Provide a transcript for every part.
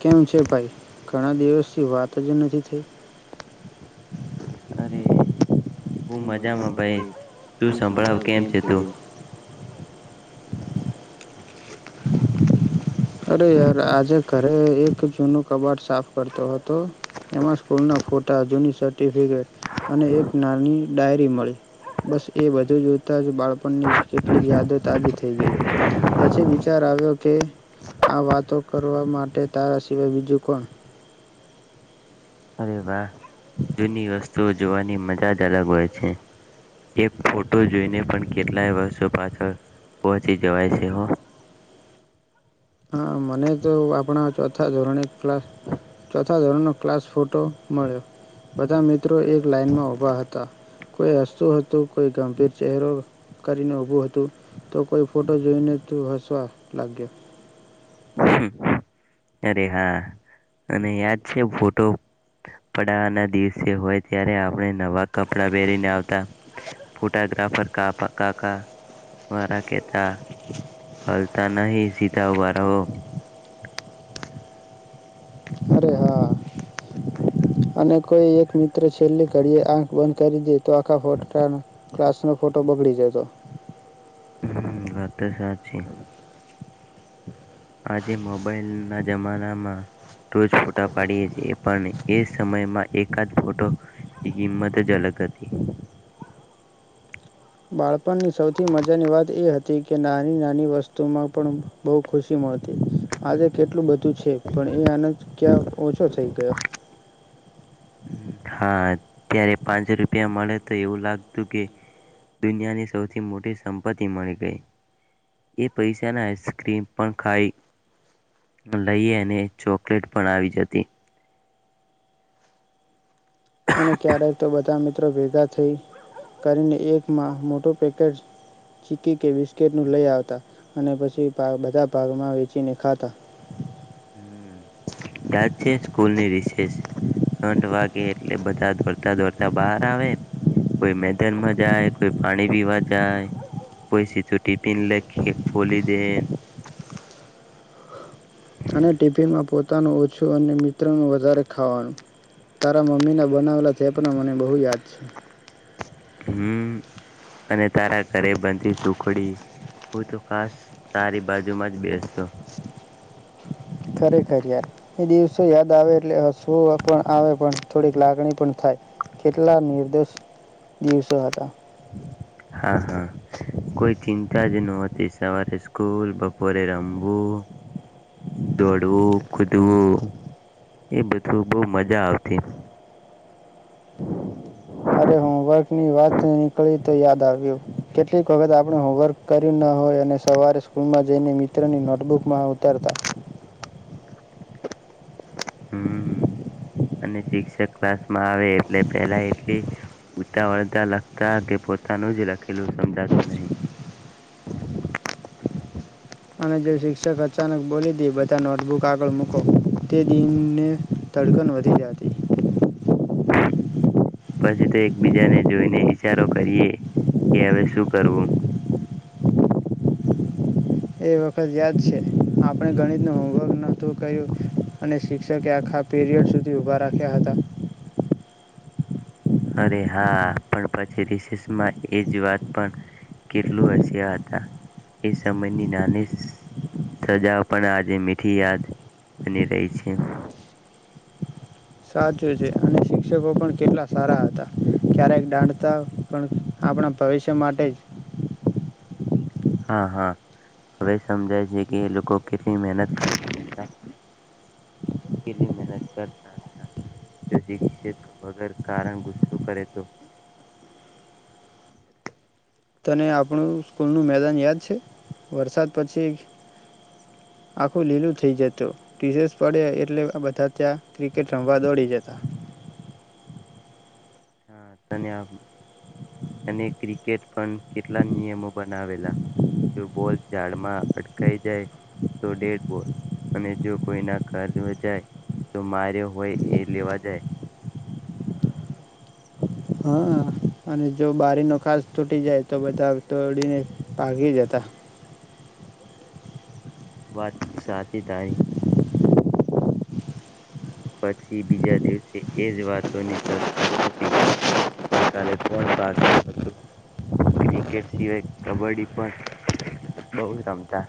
કેમ છે ભાઈ? ઘણા દિવસ પછી વાત જ નથી થઈ? [unintelligible] હું મજામાં ભાઈ તું સંભળાવ કેમ છે તું? અરે યાર આજે ઘરે એક જૂનું કબાટ સાફ કરતો હતો, એમાં સ્કૂલના ફોટા જૂની સર્ટિફિકેટ, અને એક નાની ડાયરી મળી, બસ એ બધું જોતા જ બાળપણની કેટલીક યાદ તાજી થઈ, ગઈ પછી વિચાર આવ્યો કે આ વાતો કરવા માટે તારા સિવાય બીજું કોણ. અરે વાહ જૂની વસ્તુઓ જોવાની મજા જ અલગ હોય છે, એક ફોટો જોઈને પણ કેટલાય વર્ષો પાછળ પહોચી જવાય છે. હા, મને તો આપણા ચોધ થા ધોરણે ક્લાસ ચોથા ધોરણનો ક્લાસ ફોટો મળ્યો, બધા મિત ત્રો એક લાઇનમાં ઊભા હતા. કોઈ હસતું હતું, કોઈ ગંભીર ચહેરો કરીને ઊભું હતું, તો કોઈ ફોટો જોઈને તું હસવા લાગ્યો. હ, અરે હા, અને યાદ છે ફોટો પડાવાના દિવસે હોય ત્યારે આપણે નવા કપડા પહેરીને આવતા, ફોટાગ્રાફર કાફા કાકા વારા કેતા હલતા નહી, સીધા ઉભા રહો. અરે હા. [unintelligible] અને કોઈ એક મિત્ર છેલ્લી ઘડીએ આંખ બંધ કરી દે. તો આખા ફોટાનું ક્લાસનો ખોટો બગડી જતો. હ વાત તો સાચી, આજે મોબાઈલના જમાનામાં રોજ ફોટા પાડીએ છીએ, પણ એ સમયમાં એકાદ ફોટોની કિંમત જ અલગ હતી. બાળપણની સૌથી મજાની વાત એ હતી, કે નાની નાની વસ્તુમાં પણ બહુ ખુશી મળતી, આજે કેટલું બધ તો છે, પણ એ આનંદ ક્યાં ઓછો છ થઈ ગયો. હા, ત્યારે પાન્સો રૂપિયા મલે તો એવું લાગતું કે, દુનિયાની સૌથી મોટી સંપત્તિ મળી ગઈ, એ પૈસાના આઈસક્રીમ પણ ખાઈ લઈ અને ચોકલેટ પણ આવી જતી. અને ક્યારેક તો બધા મિત્રો ભેગા થઈ, કરીને એકમાં મોટું પેકેજ ચીકી કે બિસ્કીિટનું લઈ આવતા, અને પછી બધા ભાગમાં વેચીને ખાતા. હમ યાદ છે સ્કૂલની રિસેસ, ઘંઠ વાગે એટલે બધા દોડતા દોડતા બહાર આવે, કોઈ મેદાનમાં જાય કોઈ પાણી પીવા જાય, કોઈ સીધું ટિફિન લઈ ખે ખોલી દેન. અને ટિફિનમાં પોતાનું ઓછું અને મિત્રનું વધારે ખાવાનું. તારા મમ્મીનાં બનાવેલા તે પણ મને બહુ યાદ છે. હમ અને તારા અરે બનતી સુખડી હું તો ખાસ તારી બાજુમાં જ બેસતો. ખરેખર યાર, એ દિવસો યાદ આવે એટલે હસવુંઅ પણ આવે પણ થોડીક લાગણી પણ થાય, કેટલા નિર્દોષ દિવસો હતા. હા હા, કોઈ ચિંતા જ નહોતી સવારે સ્કૂલ બપોરે રમવું, દોડવું, કુદવું એ બધું બહુ મજા આવતી. અરે હોમવર્કની વાત નીકળી તો યાદ આવ્યું, કેટલીક વખત આપણે હોમવર્ક કર્યું ના હોય અને સવારે સ્કૂલમાં જઈને મિત્રની નોટબુકમાં ઉતારતા. હમ. અને શિક્ષક ક્લાસ આવે એટલે પેલા એટલી તા વળગતા લખતા કે પોતાનું જ લખેલું સમજાતું નહી. અને જે શિક્ષક અચાનક બોલી દે બધા નોટબુક આગળ મૂકો, તે દિનને ધડકન વધી જાતી. પછી તો એકબીજાને જોઈને ઈશારો કરીએ કે હવે શું કરવું. એ વખત યાદ છે આપણે, ગણિતનું હોમવર્ક ના તું કહ્યું, અને શિક્ષ છેમ કે આખા પીરિયડ સુધી ઊભા રાખ્યા હતા. અરે હા, પણ પછી રિસેસમાં એજ વાત પણ, કેટલું હસ્યા હતા, એ સમયની નાની સ સજા પણ આજે મીઠી યાદ બની રહી છે. સાચું છે, અને શિક્ષકો પણ કેટલા સારા હતા, ક્યારેક દાંડતા પણ આપણા ભવિષ્ય માટે જ. હા હા, હવે સમજાય છે કે એ લોકો કેટલી મહેનત કરતા હતા, કેટલી મહેનત કરતા હતા, કે શિક્ષક વગર કારણ ગુસ્સો કરે તો તને આપણું સ્કૂલનું મેદાન યાદ છે, વરસાદ પછી આખું લીલું થઈ જતું, રીસેસ પડે એટલે બધા ત્યાં ક્રિકેટ રમવા દોડી જતા. હા, તને આમ અને ક્રિકેટ પણ કેટલા નિયમો બનાવેલા, જો બોલ ઝાડમાં અટકાઈ જાય તો ડેડ બોલ, અને જો કોઈના ઘરમાં જાય, તો માર્યો હોય એ લેવા જાય. હા અને જો બારીનો ખાસ તૂટી જાય તો બધા દોડીને ભાગી જતા. વાત સાત પછી બીજા દિવસે એજ વાતોની ચર્ચા થતી અને ગઈ કલે કોણ ભાગ્યું હતું ક્રિકેટ સિવાય કબડ્ડી પણ બહુ રમતા.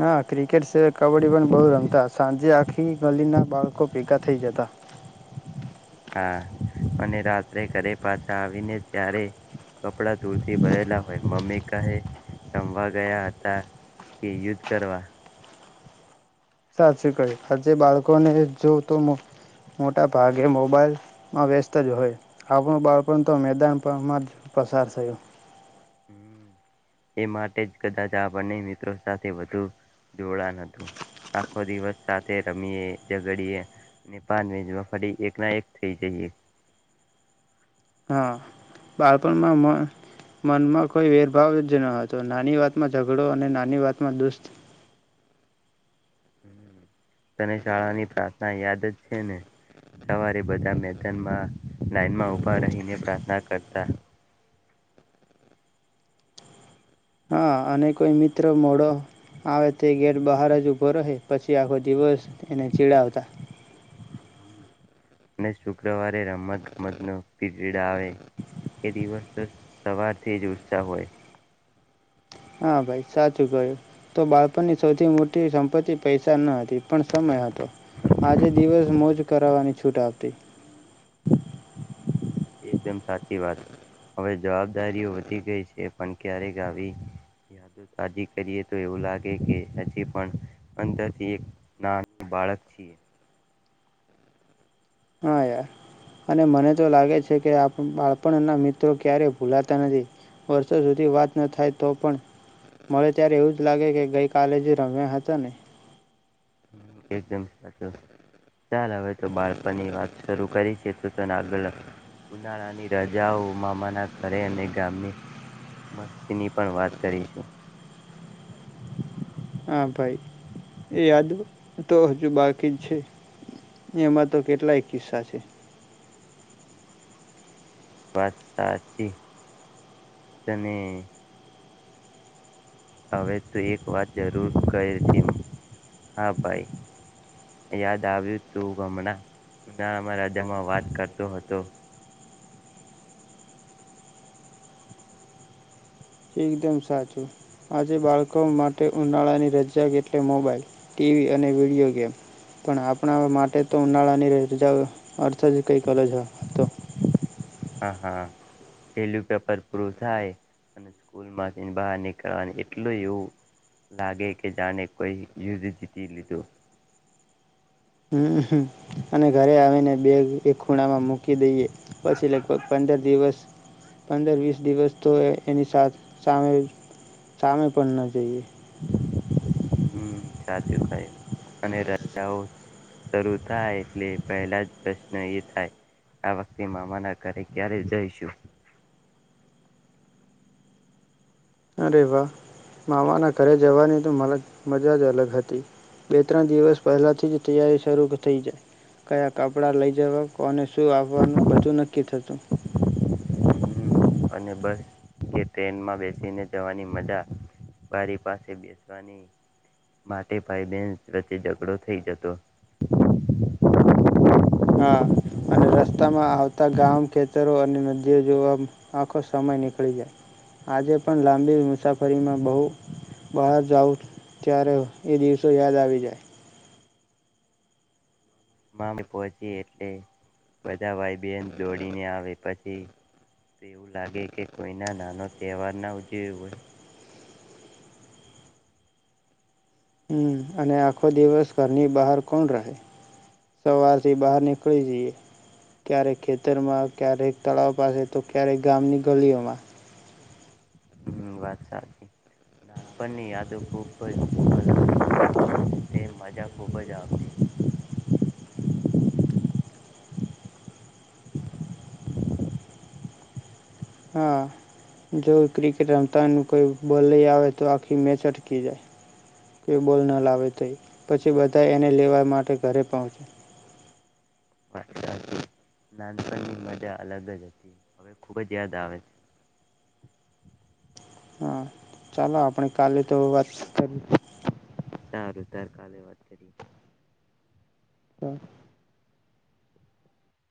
હા ક્રિકેટ સિવાય કબડ્ડી પણ બહુ રમતા સાંજે આખી ગલીના બાળકો ભેગા થઈ જતા. હા અને રાત રે ઘરે પાછા આવી ને ત્યારે કપડા દૂરથી ભરેલા હોય મમ્મી કાહે રમવા ગયા હતા કે યુદ્ધ કરવા. સાચી કયું. આજે બાળકોને જો તો મોટા ભાગે મોબાઈલમાં વ્યસ્ત જ હો. આપણું બાળપણ તો મેદાન પડ માં પસાર થયું. હમ્મ એ માટે જ કદાચ આપને મિત્રો સાથે વધુ જોડા ન હતું આખો દિવસ સાથે રમીએ ઝગડીએ પાન ને ફરી એકના એક થઈ જઈએ. હા બાળપણમાં મ-મનમાં કોઈ વેરભાવ જ ન હતો નાની વાતમાં ઝઘડો અને નાની વાતમાં દુસ્ત હમ્મ તને શાળાની પ્રાર્થના યાદ જ છે ને સવારે બધા મેદાનમાં લાઈન માં ઉભા રહીને પ્રાર્થના કરતા. હા અને કોઈ મિત્ર મોડો આવે તે ઘેટ બહાર જ ઊભો રહે પછી આખો દિવસ એને ચીડાવતા. અને શુક્રવારે રમતમત ગમત નો પીજે જા આવે એ દિવસ તો સવારથી જ ઉત્સાહ હોય. હા ભાઈ સાચું ક્યું. તો બાળપણની સૌથી મોટી સંપત્તિ પૈસા ન હતી પણ સમય હતો આજે દિવસ મોજ કરાવવાની છૂટ આવતી. એકદમ સાચી વાત. હવે જવાબદારીઓ વધી ગઈ છે પણ ક્યારેક આવી યાદ આ કરીએ તો એવું લાગે કે હજી પણ અંદરથી એક નાનું બાળક છીએ. હા યાર અને મને તો લાગે છે કે બાળપણના મિત્રો ક્યારેય ભૂલાતા નથી વર્ષો સુધી વાત ન થાય તો પણ મળે ત્યારે એવું જ લાગે કે ગઈ કાલે જ રમ્યા હતા ને. હમ્મ એકદમ સાચું ચાલ હવે તો બાળપણની વાત શરૂ કરી છે આગળ ઉનાળાની રાજાઓ મામાના ઘરે અને ગામની મસ્તીની પણ વાત કરીશું. હા ભાઈ એ યાદ તો હજુ બાકી જ છે. એમાં તો કેટલાય કિસ્સા છે. વાત સાચી. તને હવે તો એક વાત જરૂર કર દીમ હા ભાઈ. યાદ આવ્યું તું હમણાં ઉનામાં રાજામાં વાત કરતો હતો. એકદમ સાચું. આજે બાળકો માટે ઉનાળાની રજા એટલે મોબાઈલ ટીવી અને વિડિયો ગેમ પણ આપણા માટે તો ઉનાળાની રજા અર્થ જ કંઈક અલજ હતો. હા હા છેલું પેપર પ્રવ થાય અને સ્કૂલમાં બહાર નીકળવાનું એટલું એવું લાગે કે જાણે કોઈ યુધ જીતી લીધું હમ્મ અને ઘરે આવીને બેગ એક ખૂણામાં મુક કી દઈએ પછી લગભગ પંદર દિવસ પંદર વીસ દિવસ તો એની સાથ સામે સામે પણ ન જઈએ. હમ્મ. સાચું કયું તે. અને રજાઓ શરૂ થાય એટલે પહેલા જ પ્રશ્ન એ થાય આ વખતે મામાના ઘરે ક્યારે જઈશું. અરે વાહ મામાના ઘરે જવાની તો મલા મજા જ અલગ હતી બે ત્રણ દિવસ પહેલાથી જ તૈયારી શરૂ થઈ જાય કયા કપડા લઈ જવા કોને શું આપવાનું બધું નક્કી થતું. હમ્મ અને બર કે ટ્રેનમાં બેસીને જવાની મજા બારી પાસે બેસવાની માટે ભાઈ બહેન વચ્ચે ઝઘડો થઈ જતો. હા અને રસ્તામાં આવતા ગામ ખેતરો અને નદીઓ જોવા આખો સમય નીકળી જાય. આજે પણ લાંબી મુસાફરીમાં બહુ બહાર જાવં ત્યારે એ દિવસો યાદ આવી જાય. મામે પહોંચી એટલે બધા ભાઈ બહેન દોડીને આવે પછી તો એવું લાગે કે કોઈના નાનો તહેવાર ના ઉજવ્યો હોય. હમ્મ અને આખો દિવસ ઘરની બહાર કોણ રહે સવારથી બહાર નીકળી જઈએ ક્યારેક ખેતરમાં ક્યારેક તળાવ પાસે તો ક્યારેક ગામની ગલીઓમાં. હમ્મ વાત સાચી નાન પણ ની યાદો ખબ્બઈ હ તે મજા ખુબજ આવતી [inaudible] હા જો ક્રિકેટ રમતા કોઈ બોલ લઈ આવે તો આખી મેચ અટકી જાય કે બોલ ન લાવેતૈ પછી બધા એને લેવા માટે ઘરે પહોંચે નાનપણની મજા અલગ જ હતી હવે ખુબ જ યાદ આવે છે હા ચાલો આપણે કાલે તો વાત કરી સારું તાર કાલે વાત કરી તો